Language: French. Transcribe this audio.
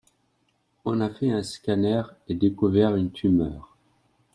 on a fait un scanner et découvert une tumeur.